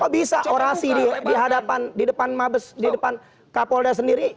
kok bisa orasi di hadapan di depan mabes di depan kapolda sendiri